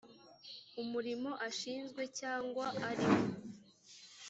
umurimo ashinzwe cyangwa ari wo